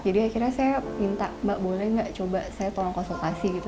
jadi akhirnya saya minta mbak boleh nggak coba saya tolong konsultasi gitu